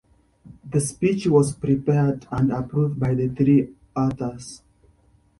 The speech was prepared and approved by the three authors.